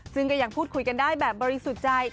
ซึ่งก็ยังพูดคุยกันได้แบบบริสุทธิ์ใจ